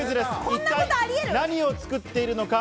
一体、何を作っているのか？